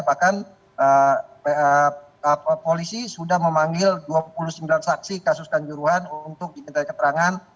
bahkan polisi sudah memanggil dua puluh sembilan saksi kasus kanjuruhan untuk diminta keterangan